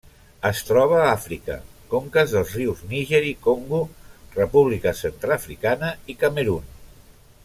Es troba a Àfrica: conques dels rius Níger i Congo, República Centreafricana i Camerun.